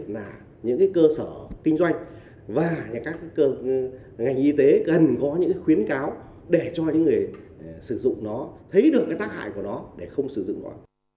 là những cái cơ sở kinh doanh và các ngành y tế cần có những khuyến cáo để cho những người sử dụng nó thấy được cái tác hại của nó để không sử dụng nó